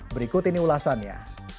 berikut ini ulasannya